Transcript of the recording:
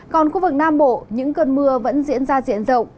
còn khu vực nam bộ những cơn mưa vẫn diễn ra diện rộng